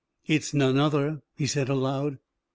"It's none other," he said aloud.